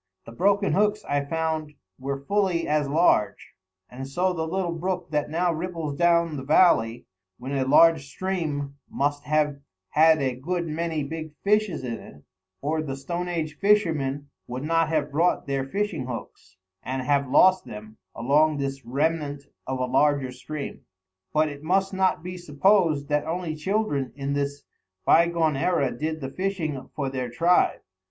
The broken hooks I found were fully as large; and so the little brook that now ripples down the valley, when a large stream, must have had a good many big fishes in it, or the stone age fishermen would not have brought their fishing hooks, and have lost them, along this remnant of a larger stream. But it must not be supposed that only children in this by gone era did the fishing for their tribe.